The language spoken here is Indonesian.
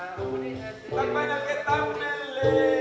tak payah kita memilih